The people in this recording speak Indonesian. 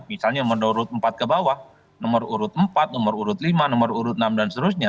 misalnya nomor urut empat ke bawah nomor urut empat nomor urut lima nomor urut enam dan seterusnya